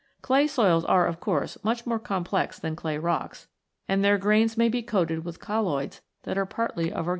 Clay soils are of course much more complex than clay rocks, and their grains may be coated with col loids that are partly of organic origin.